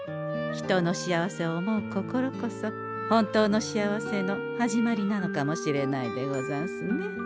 人の幸せを思う心こそ本当の幸せの始まりなのかもしれないでござんすね。